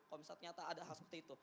kalau misalnya ternyata ada hal seperti itu